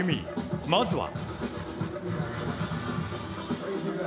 まずは。